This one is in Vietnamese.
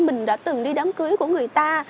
mình đã từng đi đám cưới của người ta